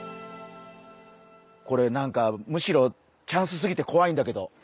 これなんかむしろチャンスすぎてこわいんだけど。